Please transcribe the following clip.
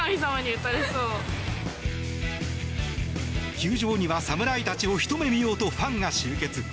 球場には侍たちをひと目見ようとファンが集結。